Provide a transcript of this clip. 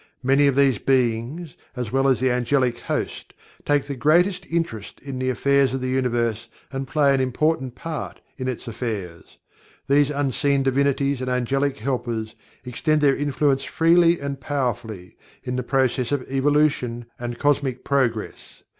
Many of these Beings, as well as the Angelic Host, take the greatest interest in the affairs of the Universe and play an important part in its affairs. These Unseen Divinities and Angelic Helpers extend their influence freely and powerfully, in the process of Evolution, and Cosmic Progress.